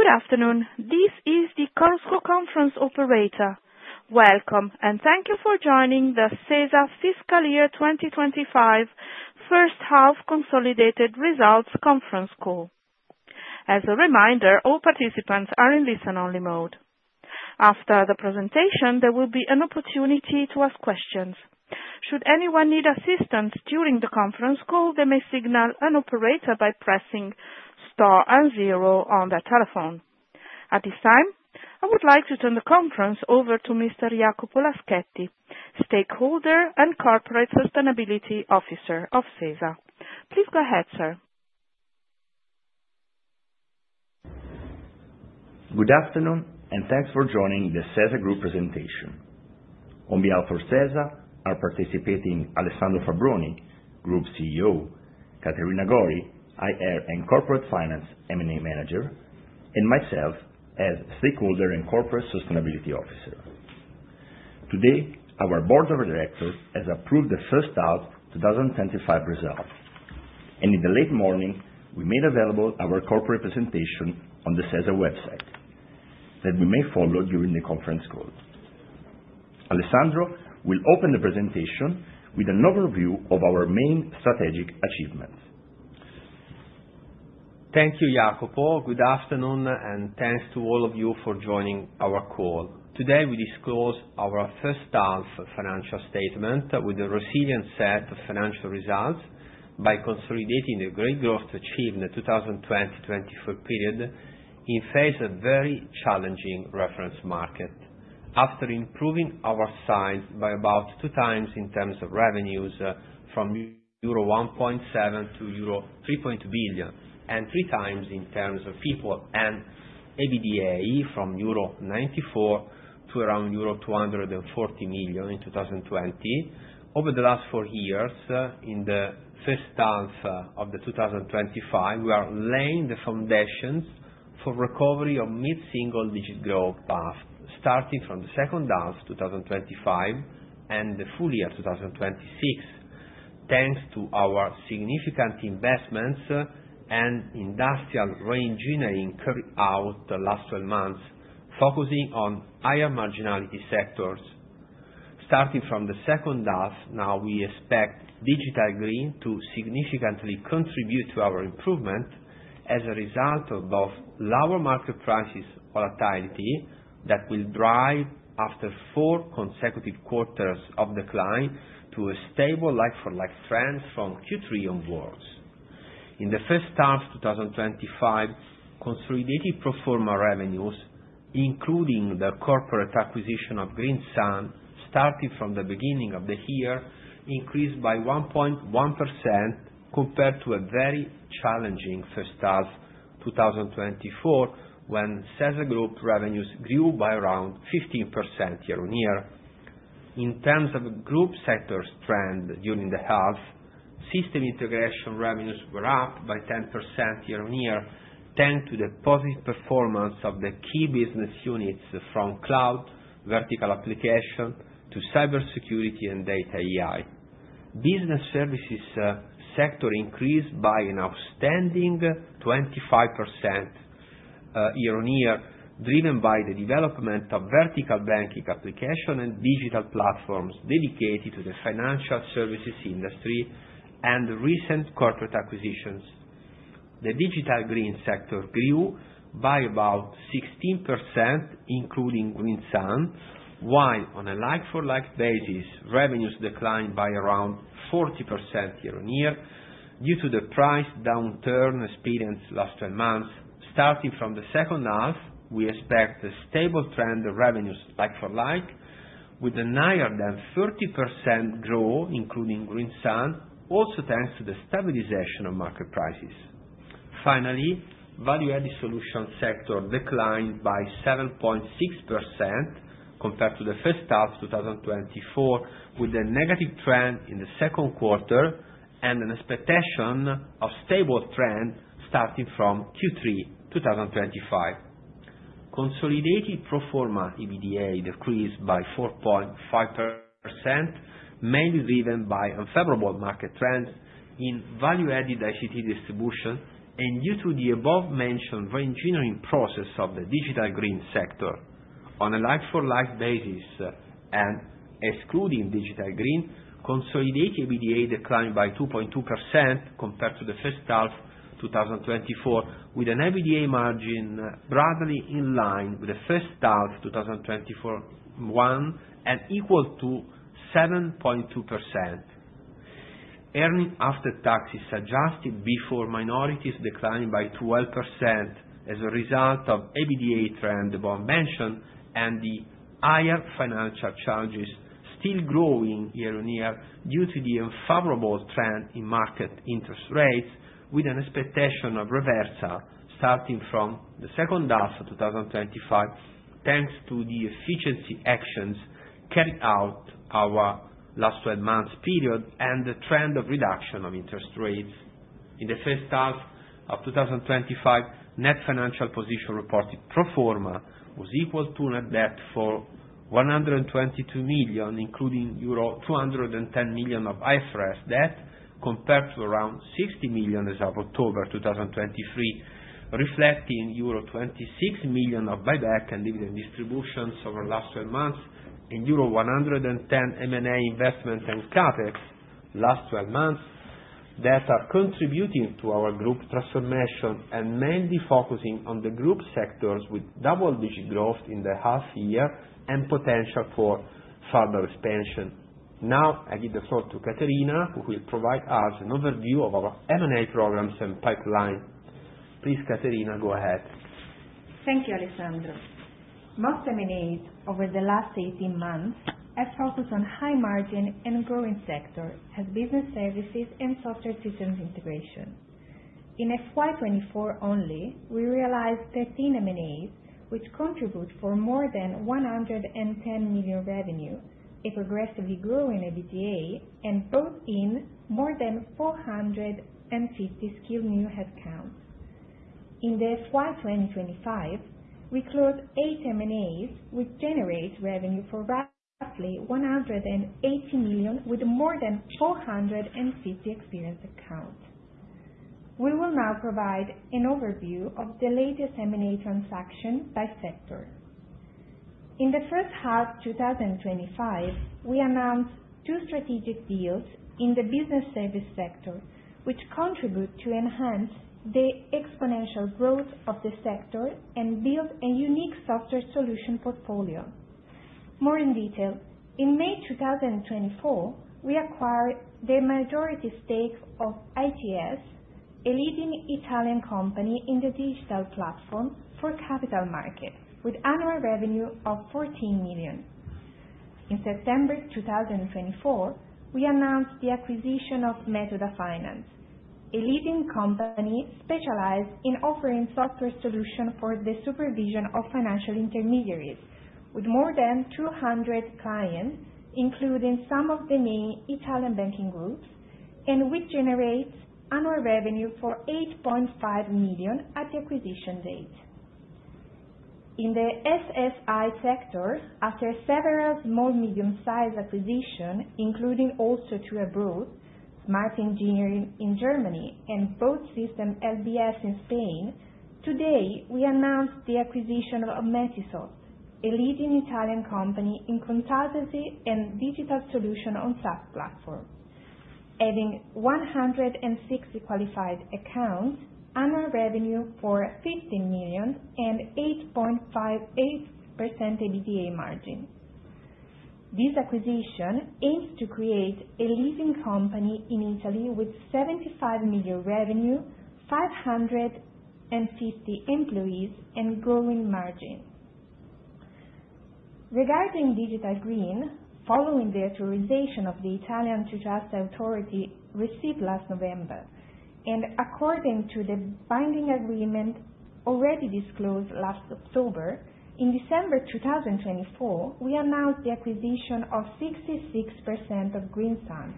Good afternoon. This is the conference operator. Welcome, and thank you for joining the Sesa Fiscal Year 2025 First Half Consolidated Results Conference Call. As a reminder, all participants are in listen-only mode. After the presentation, there will be an opportunity to ask questions. Should anyone need assistance during the conference call, they may signal an operator by pressing star and zero on their telephone. At this time, I would like to turn the conference over to Mr. Jacopo Laschetti, Stakeholder and Corporate Sustainability Officer of Sesa. Please go ahead, sir. Good afternoon, and thanks for joining the Sesa Group presentation. On behalf of Sesa, are participating Alessandro Fabbroni, Group CEO, Caterina Gori, IR and Corporate Finance M&A Manager, and myself as Stakeholder and Corporate Sustainability Officer. Today, our Board of Directors has approved the first half 2025 result, and in the late morning, we made available our corporate presentation on the Sesa website that we may follow during the conference call. Alessandro will open the presentation with an overview of our main strategic achievements. Thank you, Jacopo. Good afternoon, and thanks to all of you for joining our call. Today, we disclose our first half financial statement with a resilient set of financial results by consolidating the great growth achieved in the 2020-2024 period in face of a very challenging reference market. After improving our size by about two times in terms of revenues from euro 1.7 billion to euro 3.2 billion, and three times in terms of people and EBITDA from euro 94 million to around euro 240 million in 2020, over the last four years in the first half of 2025, we are laying the foundations for recovery of mid-single-digit growth path starting from the second half 2025 and the full year 2026, thanks to our significant investments and industrial re-engineering carried out the last 12 months, focusing on higher marginality sectors. Starting from the second half, now we expect Digital Green to significantly contribute to our improvement as a result of both lower market prices volatility that will drive after four consecutive quarters of decline to a stable like-for-like trend from Q3 onwards. In the first half 2025, consolidated proforma revenues, including the corporate acquisition of Greensun, starting from the beginning of the year, increased by 1.1% compared to a very challenging first half 2024 when Sesa Group revenues grew by around 15% year-on-year. In terms of group sector trend during the half, System Integration revenues were up by 10% year-on-year, thanks to the positive performance of the key business units from cloud, vertical application, to cybersecurity and data AI. Business Services sector increased by an outstanding 25% year-on-year, driven by the development of vertical banking applications and digital platforms dedicated to the financial services industry and recent corporate acquisitions. The Digital Green sector grew by about 16%, including Greensun, while on a like-for-like basis, revenues declined by around 40% year on year due to the price downturn experienced last 12 months. Starting from the second half, we expect a stable trend of revenues like-for-like, with a higher than 30% growth, including Greensun, also thanks to the stabilization of market prices. Finally, Value Added Solutions sector declined by 7.6% compared to the first half 2024, with a negative trend in the second quarter and an expectation of stable trend starting from Q3 2025. Consolidated pro forma EBITDA decreased by 4.5%, mainly driven by unfavorable market trends in value-added ICT distribution and due to the above-mentioned re-engineering process of the Digital Green sector. On a like-for-like basis, and excluding Digital Green, consolidated EBITDA declined by 2.2% compared to the first half 2024, with an EBITDA margin broadly in line with the first half 2024 one and equal to 7.2%. Earnings after taxes adjusted before minorities declined by 12% as a result of EBITDA trend above-mentioned and the higher financial charges still growing year-on-year due to the unfavorable trend in market interest rates, with an expectation of reversal starting from the second half of 2025, thanks to the efficiency actions carried out our last 12 months period and the trend of reduction of interest rates. In the first half of 2025, net financial position reported pro forma was equal to net debt for 122 million, including euro 210 million of IFRS debt compared to around 60 million as of October 2023, reflecting euro 26 million of buyback and dividend distributions over the last 12 months and euro 110 million M&A investments and CapEx last 12 months that are contributing to our group transformation and mainly focusing on the group sectors with double-digit growth in the half year and potential for further expansion. Now, I give the floor to Caterina, who will provide us an overview of our M&A programs and pipeline. Please, Caterina, go ahead. Thank you, Alessandro. Most M&As over the last 18 months have focused on high-margin and growing sectors such as Business Services and Software and System Integration. In FY24 only, we realized 13 M&As, which contribute for more than 110 million revenue, a progressively growing EBITDA, and brought in more than 450 skilled new headcounts. In the FY2025, we closed eight M&As, which generated revenue for roughly 180 million with more than 450 experienced headcounts. We will now provide an overview of the latest M&A transaction by sector. In the first half 2025, we announced two strategic deals in the Business Services sector, which contribute to enhance the exponential growth of the sector and build a unique software solution portfolio. More in detail, in May 2024, we acquired the majority stake of ATS, a leading Italian company in the digital platform for capital market, with annual revenue of 14 million. In September 2024, we announced the acquisition of Metoda Finance, a leading company specialized in offering software solutions for the supervision of financial intermediaries, with more than 200 clients, including some of the main Italian banking groups, and which generates annual revenue for 8.5 million at the acquisition date. In the SSI sector, after several small-medium-sized acquisitions, including also abroad, Smart Engineering in Germany, and Service LBS in Spain, today we announced the acquisition of Metisoft, a leading Italian company in consultancy and digital solution on SaaS platforms, having 160 qualified accounts, annual revenue for 15 million, and 8.58% EBITDA margin. This acquisition aims to create a leading company in Italy with 75 million revenue, 550 employees, and growing margin. Regarding Digital Green, following the authorization of the Italian Antitrust Authority received last November, and according to the binding agreement already disclosed last October, in December 2024, we announced the acquisition of 66% of Greensun,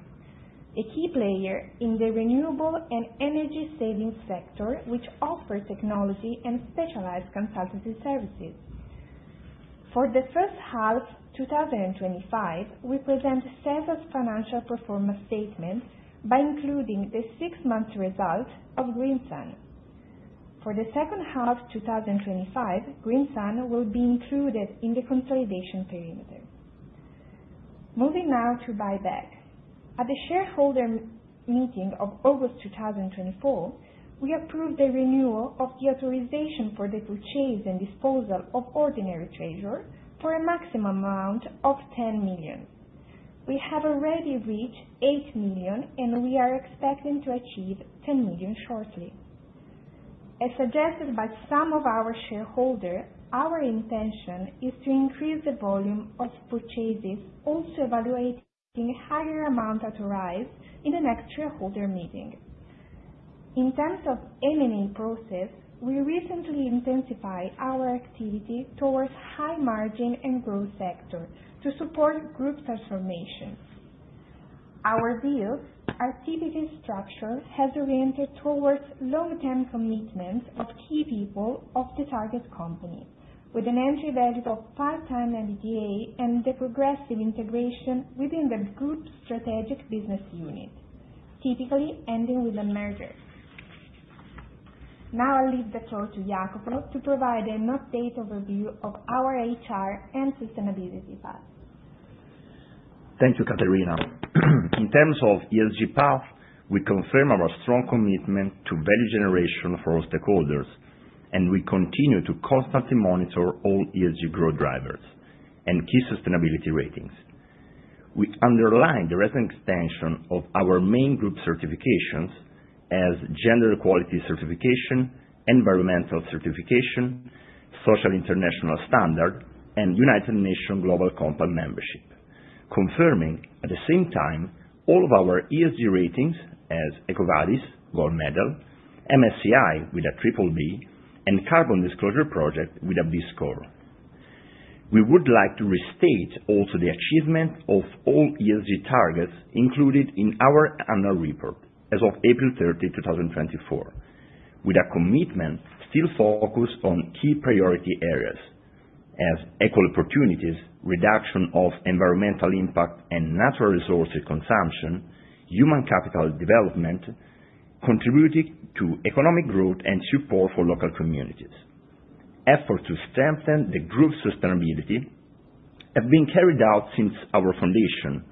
a key player in the renewable and energy savings sector, which offers technology and specialized consultancy services. For the first half 2025, we present Sesa's financial performance statement by including the six-month result of Greensun. For the second half 2025, Greensun will be included in the consolidation perimeter. Moving now to buyback. At the shareholder meeting of August 2024, we approved the renewal of the authorization for the purchase and disposal of ordinary treasury for a maximum amount of 10 million. We have already reached 8 million, and we are expecting to achieve 10 million shortly. As suggested by some of our shareholders, our intention is to increase the volume of purchases, also evaluating a higher amount authorized in the next shareholder meeting. In terms of M&A process, we recently intensified our activity towards high-margin and growth sectors to support group transformation. Our deals, our TPP structure, has oriented towards long-term commitments of key people of the target company, with an entry value of 5 times EBITDA and the progressive integration within the group strategic business unit, typically ending with a merger. Now I'll leave the floor to Jacopo to provide an update overview of our HR and sustainability path. Thank you, Caterina. In terms of ESG path, we confirm our strong commitment to value generation for our stakeholders, and we continue to constantly monitor all ESG growth drivers and key sustainability ratings. We underline the recent expansion of our main group certifications as Gender Equality Certification, Environmental Certification, Social International Standard, and United Nations Global Compact membership, confirming at the same time all of our ESG ratings as EcoVadis, Gold Medal, MSCI with a triple B, and Carbon Disclosure Project with a B score. We would like to restate also the achievement of all ESG targets included in our annual report as of April 30, 2024, with a commitment still focused on key priority areas as equal opportunities, reduction of environmental impact and natural resources consumption, human capital development, contributing to economic growth and support for local communities. Efforts to strengthen the group sustainability have been carried out since our foundation,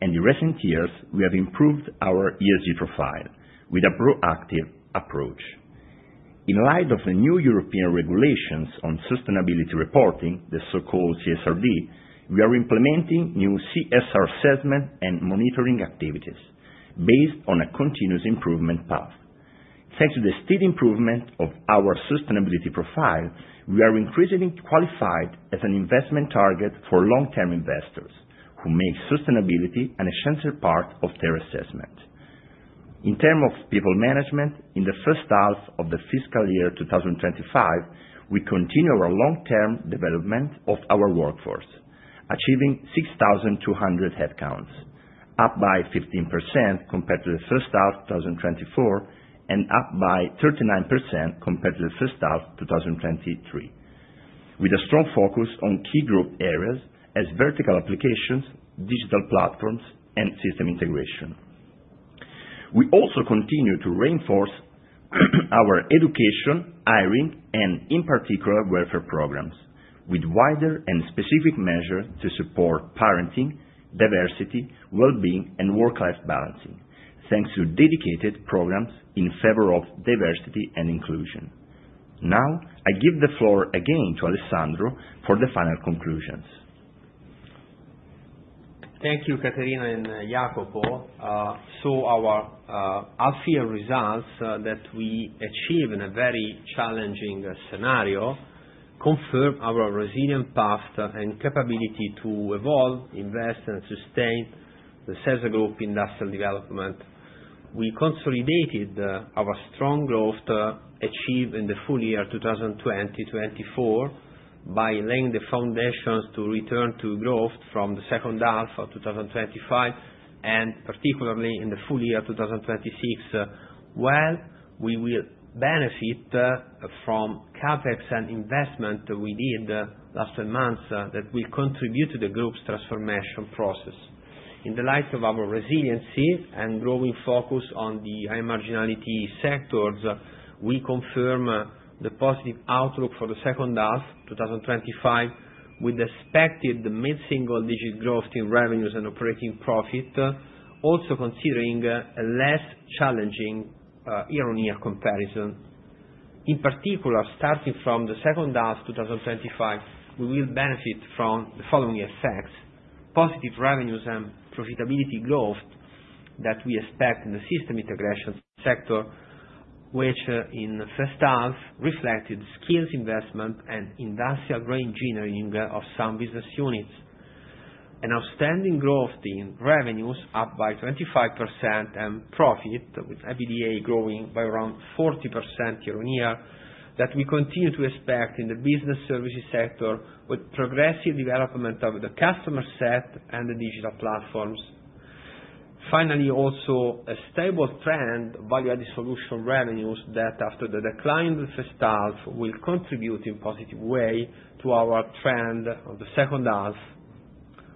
and in recent years, we have improved our ESG profile with a proactive approach. In light of the new European regulations on sustainability reporting, the so-called CSRD, we are implementing new CSR assessment and monitoring activities based on a continuous improvement path. Thanks to the steady improvement of our sustainability profile, we are increasingly qualified as an investment target for long-term investors who make sustainability an essential part of their assessment. In terms of people management, in the first half of the fiscal year 2025, we continue our long-term development of our workforce, achieving 6,200 headcounts, up by 15% compared to the first half 2024 and up by 39% compared to the first half 2023, with a strong focus on key group areas as vertical applications, digital platforms, and System Integration. We also continue to reinforce our education, hiring, and in particular, welfare programs, with wider and specific measures to support parenting, diversity, well-being, and work-life balancing, thanks to dedicated programs in favor of diversity and inclusion. Now, I give the floor again to Alessandro for the final conclusions. Thank you, Caterina and Jacopo. Our half-year results that we achieved in a very challenging scenario confirm our resilient path and capability to evolve, invest, and sustain the Sesa Group industrial development. We consolidated our strong growth achieved in the full year 2020-2024 by laying the foundations to return to growth from the second half of 2025 and particularly in the full year 2026, while we will benefit from CapEx and investment we did last 12 months that will contribute to the group's transformation process. In the light of our resiliency and growing focus on the high marginality sectors, we confirm the positive outlook for the second half 2025 with expected mid-single-digit growth in revenues and operating profit, also considering a less challenging year-on-year comparison. In particular, starting from the second half 2025, we will benefit from the following effects, positive revenues and profitability growth that we expect in the System Integration sector, which in the first half reflected skills investment and industrial re-engineering of some business units, an outstanding growth in revenues up by 25%, and profit with EBITDA growing by around 40% year-on-year that we continue to expect in the Business Services sector with progressive development of the customer set and the digital platforms. Finally, also a stable trend of Value Added Solution revenues that, after the decline in the first half, will contribute in a positive way to our trend of the second half.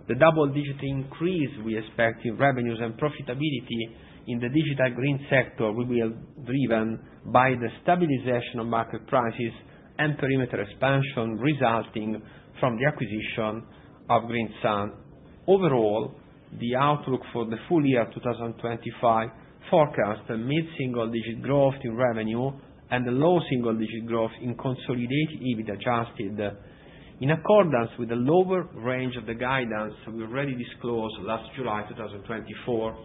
The double-digit increase we expect in revenues and profitability in the Digital Green sector will be driven by the stabilization of market prices and perimeter expansion resulting from the acquisition of Greensun. Overall, the outlook for the full year 2025 forecasts a mid-single-digit growth in revenue and a low single-digit growth in consolidated EBIT adjusted, in accordance with the lower range of the guidance we already disclosed last July 2024.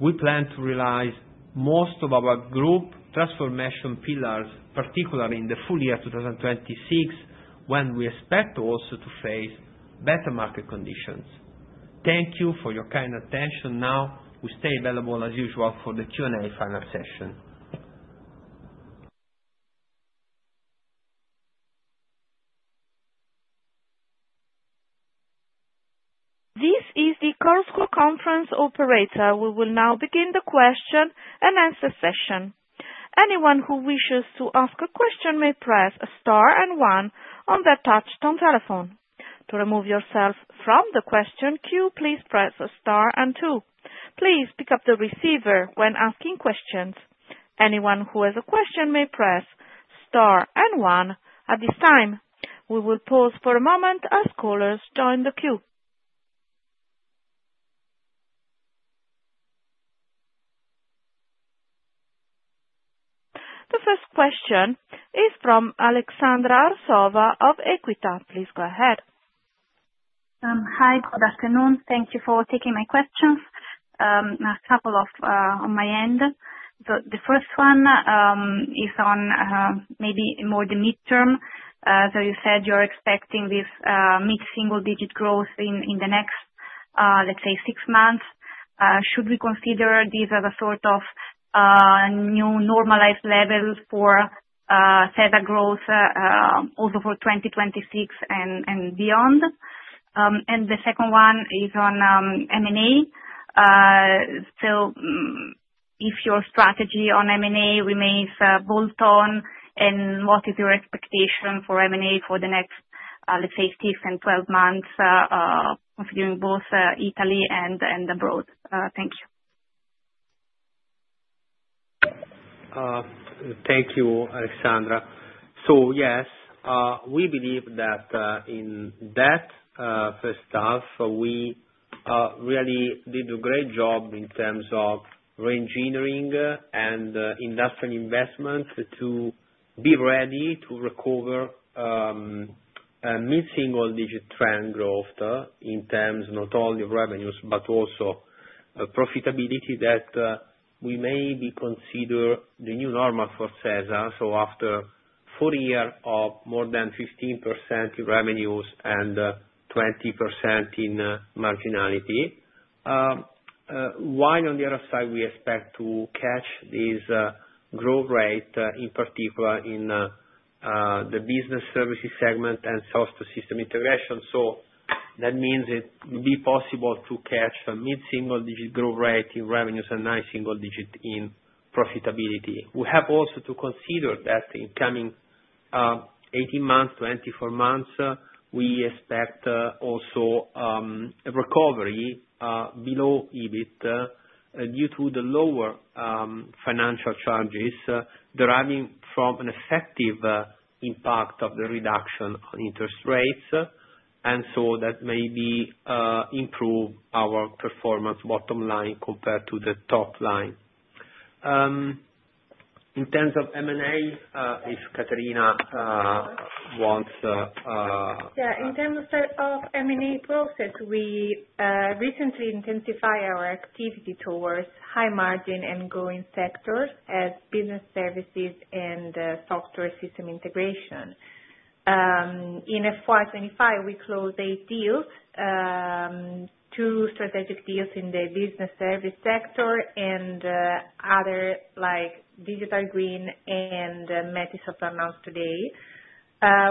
We plan to realize most of our group transformation pillars, particularly in the full year 2026, when we expect also to face better market conditions. Thank you for your kind attention. Now, we stay available as usual for the Q&A final session. This is the call conference operator. We will now begin the question-and-answer session. Anyone who wishes to ask a question may press star and one on their touch-tone telephone. To remove yourself from the question queue, please press star and two. Please pick up the receiver when asking questions. Anyone who has a question may press star and one at this time. We will pause for a moment as callers join the queue. The first question is from Aleksandra Arsova of Equita. Please go ahead. Hi, good afternoon. Thank you for taking my questions. A couple of on my end. The first one is on maybe more the midterm. So you said you're expecting this mid-single-digit growth in the next, let's say, six months. Should we consider these as a sort of new normalized level for Sesa growth also for 2026 and beyond? And the second one is on M&A. So if your strategy on M&A remains bolt-on, what is your expectation for M&A for the next, let's say, six and 12 months, considering both Italy and abroad? Thank you. Thank you, Aleksandra. So yes, we believe that in that first half, we really did a great job in terms of re-engineering and industrial investment to be ready to recover mid-single-digit trend growth in terms not only of revenues but also profitability that we maybe consider the new normal for Sesa. So after four years of more than 15% in revenues and 20% in marginality, while on the other side, we expect to catch this growth rate, in particular, in the Business Services segment and in System Integration. That means it will be possible to catch a mid-single-digit growth rate in revenues and high-single-digit in profitability. We have also to consider that in coming 18 months to 24 months, we expect also a recovery below EBIT due to the lower financial charges deriving from an effective impact of the reduction on interest rates. That may improve our performance bottom line compared to the top line. In terms of M&A, if Caterina wants. Yeah. In terms of M&A process, we recently intensified our activity towards high-margin and growing sectors as Business Services and software System Integration. In FY25, we closed eight deals, two strategic deals in the business service sector and others like Digital Green and Metisoft announced today.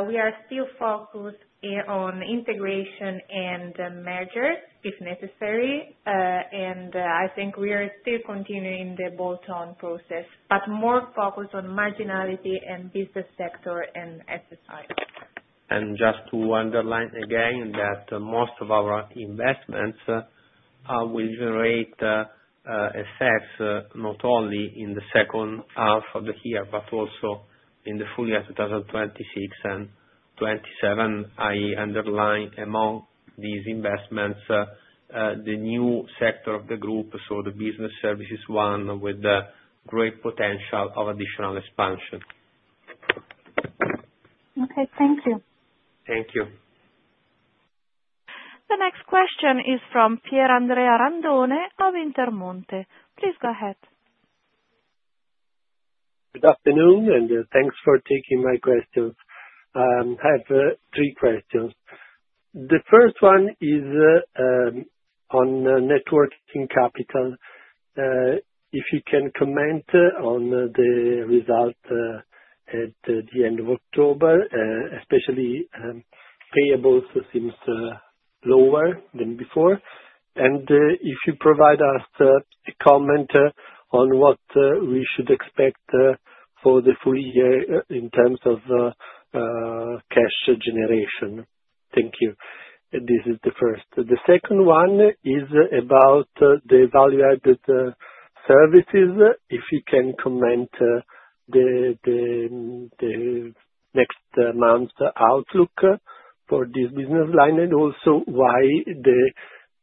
We are still focused on integration and mergers if necessary. And I think we are still continuing the bolt-on process, but more focused on marginality and business sector and SSI. Just to underline again that most of our investments will generate effects not only in the second half of the year but also in the full year 2026 and 2027. I underline among these investments the new sector of the group, so the Business Services one with great potential of additional expansion. Okay. Thank you. Thank you. The next question is from Pier Andrea Randone of Intermonte. Please go ahead. Good afternoon, and thanks for taking my questions. I have three questions. The first one is on net working capital. If you can comment on the result at the end of October, especially payables seem lower than before. And if you provide us a comment on what we should expect for the full year in terms of cash generation. Thank you. This is the first. The second one is about the value-added services. If you can comment the next month's outlook for this business line and also why the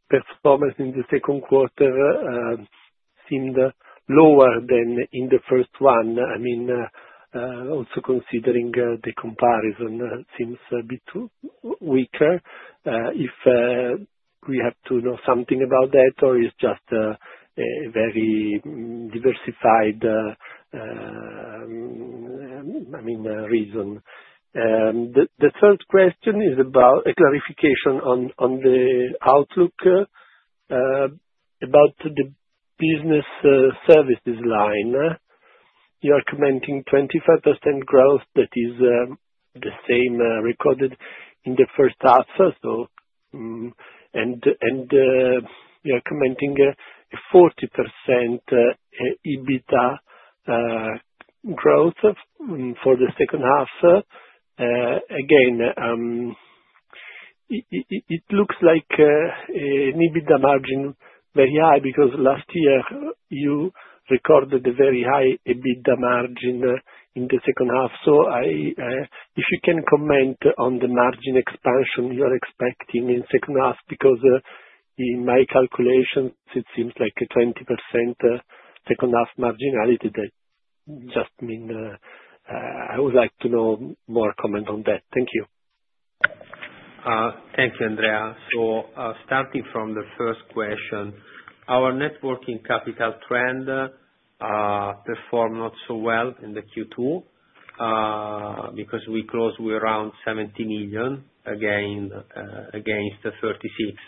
performance in the second quarter seemed lower than in the first one. I mean, also considering the comparison seems a bit weaker. If we have to know something about that or it's just a very diversified, I mean, reason. The third question is about a clarification on the outlook about the Business Services line. You are commenting 25% growth that is the same recorded in the first half, and you are commenting 40% EBITDA growth for the second half. Again, it looks like an EBITDA margin very high because last year you recorded a very high EBITDA margin in the second half. So if you can comment on the margin expansion you're expecting in the second half because in my calculations, it seems like a 20% second half marginality that just means I would like to know more comment on that. Thank you. Thank you, Andrea. Starting from the first question, our net working capital trend performed not so well in the Q2 because we closed with around 17 million against 36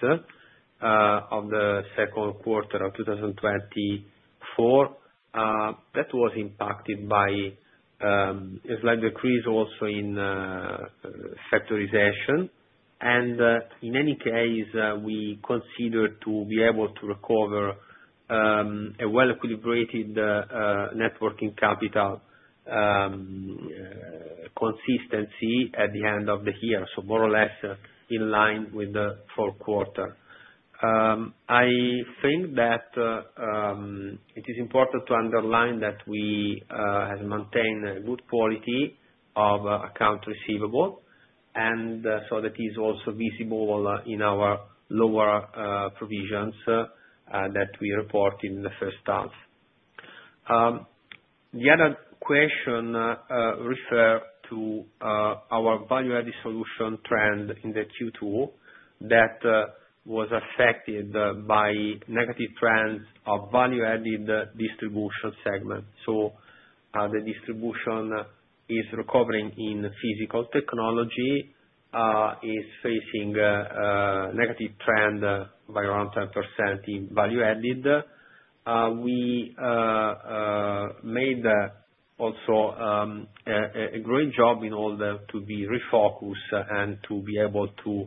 million of the second quarter of 2024. That was impacted by a slight decrease also in securitization. In any case, we consider to be able to recover a well-equilibrated net working capital consistency at the end of the year, so more or less in line with the fourth quarter. I think that it is important to underline that we have maintained good quality of accounts receivable, and so that is also visible in our lower provisions that we report in the first half. The other question refers to our value-added solution trend in the Q2 that was affected by negative trends of value-added distribution segment. So the distribution is recovering in physical technology, is facing a negative trend by around 10% in value-added. We made also a great job in order to be refocused and to be able to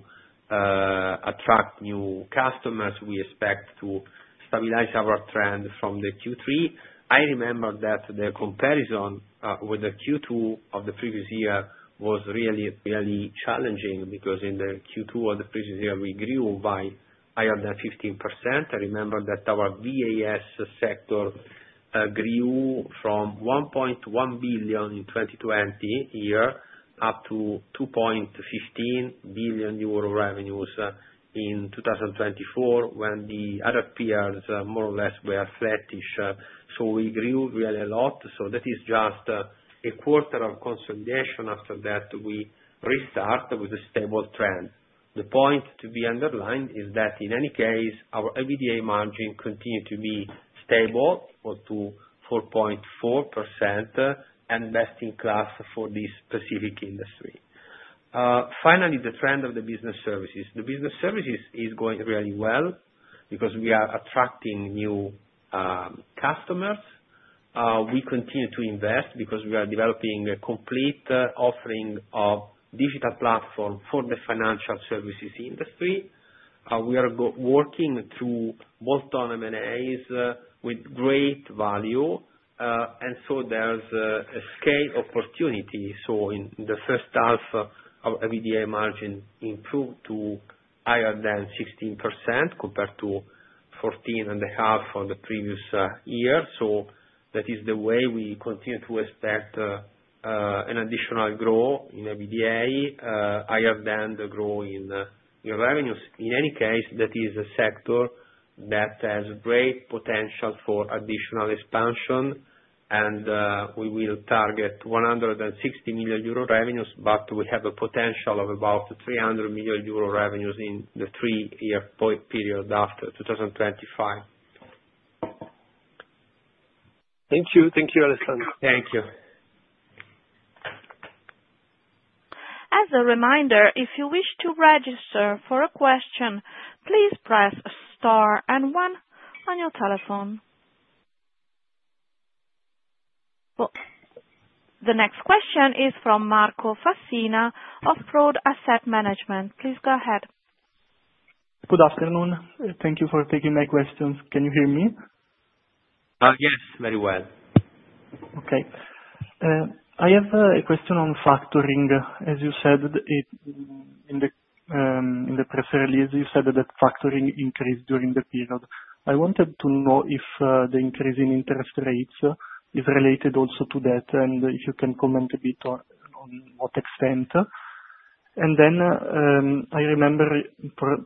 attract new customers. We expect to stabilize our trend from the Q3. I remember that the comparison with the Q2 of the previous year was really, really challenging because in the Q2 of the previous year, we grew by higher than 15%. I remember that our VAS sector grew from 1.1 billion in 2020 year up to 2.15 billion euro revenues in 2024 when the other peers more or less were flattish. So we grew really a lot. So that is just a quarter of consolidation. After that, we restart with a stable trend. The point to be underlined is that in any case, our EBITDA margin continued to be stable or to 4.4% and best in class for this specific industry. Finally, the trend of the Business Services. The Business Services is going really well because we are attracting new customers. We continue to invest because we are developing a complete offering of digital platform for the financial services industry. We are working through bolt-on M&As with great value. And so there's a scale opportunity. So in the first half, our EBITDA margin improved to higher than 16% compared to 14.5% of the previous year. So that is the way we continue to expect an additional growth in EBITDA higher than the growth in revenues. In any case, that is a sector that has great potential for additional expansion, and we will target 160 million euro revenues, but we have a potential of about 300 million euro revenues in the three-year period after 2025. Thank you. Thank you, Alessandro. Thank you. As a reminder, if you wish to register for a question, please press star and one on your telephone. The next question is from Marco Fassina of Praude Asset Management. Please go ahead. Good afternoon. Thank you for taking my questions. Can you hear me? Yes, very well. Okay. I have a question on factoring. As you said in the press release, you said that factoring increased during the period. I wanted to know if the increase in interest rates is related also to that and if you can comment a bit to what extent. And then I remember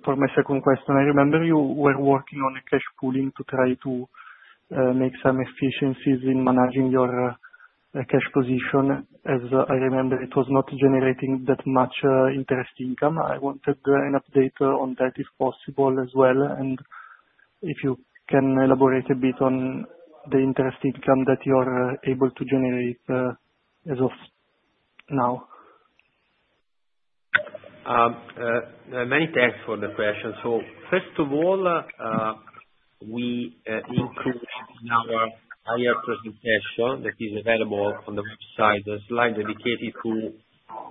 for my second question, I remember you were working on a cash pooling to try to make some efficiencies in managing your cash position. As I remember, it was not generating that much interest income. I wanted an update on that if possible as well. And if you can elaborate a bit on the interest income that you're able to generate as of now? Many thanks for the question. So first of all, we included in our prior presentation that is available on the website a slide dedicated to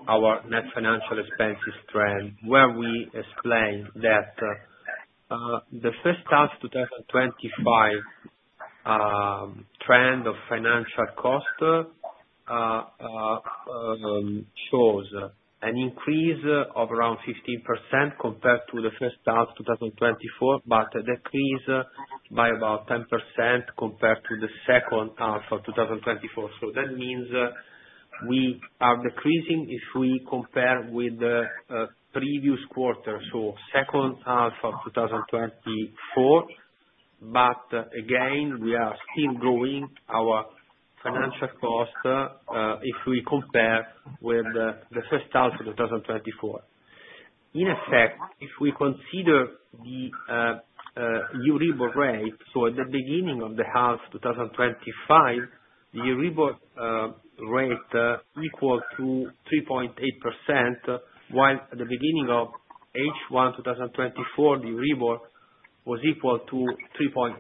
our net financial expenses trend where we explain that the first half 2025 trend of financial cost shows an increase of around 15% compared to the first half 2024, but decreased by about 10% compared to the second half of 2024. So that means we are decreasing if we compare with the previous quarter, so second half of 2024. But again, we are still growing our financial cost if we compare with the first half of 2024. In effect, if we consider the Euribor rate, so at the beginning of the half 2025, the Euribor rate equaled to 3.8%, while at the beginning of H1 2024, the Euribor was equal to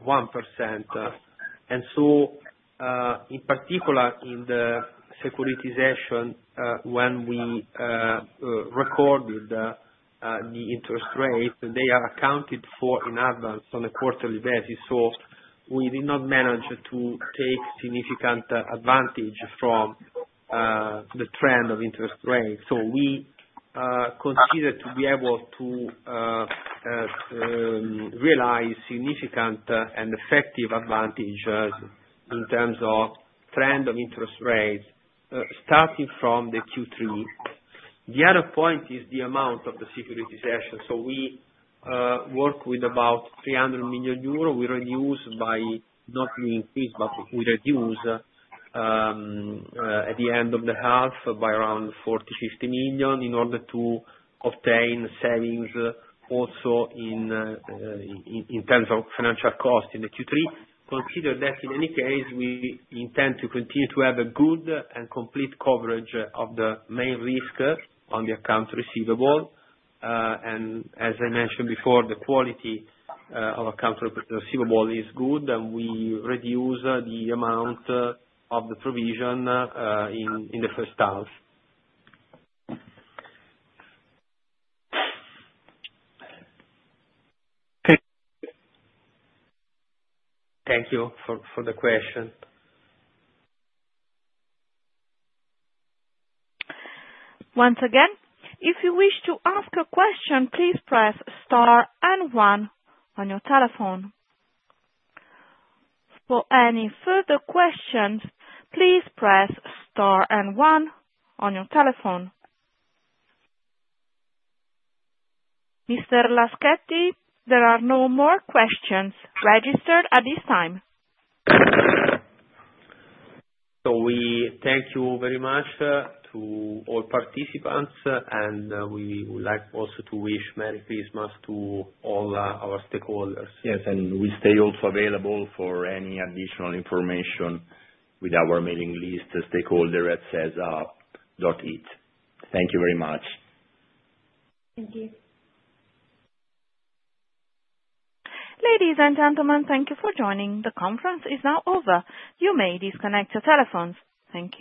3.1%. In particular, in the securitization, when we recorded the interest rate, they are accounted for in advance on a quarterly basis. So we did not manage to take significant advantage from the trend of interest rate. So we consider to be able to realize significant and effective advantages in terms of trend of interest rates starting from the Q3. The other point is the amount of the securitization. So we work with about 300 million euro. We reduce by not increase, but we reduce at the end of the half by around 40-50 million in order to obtain savings also in terms of financial cost in the Q3. Consider that in any case, we intend to continue to have a good and complete coverage of the main risk on the account receivable. As I mentioned before, the quality of accounts receivable is good, and we reduce the amount of the provision in the first half. Thank you for the question. Once again, if you wish to ask a question, please press star and one on your telephone. For any further questions, please press star and one on your telephone. Mr. Laschetti, there are no more questions registered at this time. So we thank you very much to all participants, and we would like also to wish Merry Christmas to all our stakeholders. Yes, and we stay also available for any additional information with our mailing list, stakeholder@sesa.it. Thank you very much. Thank you. Ladies and gentlemen, thank you for joining. The conference is now over. You may disconnect your telephones. Thank you.